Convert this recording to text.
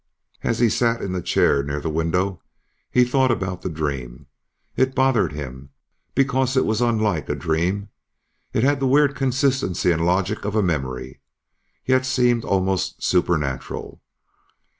As he sat in the chair near the window, he thought about the dream. It bothered him, because it was unlike a dream; it had the weird consistency and logic of a memory, yet seemed almost supernatural